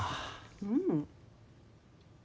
うん。